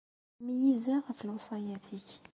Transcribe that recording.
Ttmeyyizeɣ ɣef lewṣayat-ik.